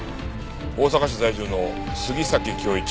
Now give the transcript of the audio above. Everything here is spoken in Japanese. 大阪市在住の杉崎恭一５１歳。